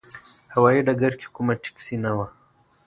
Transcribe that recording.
هوايي ډګر کې کومه ټکسي نه وه.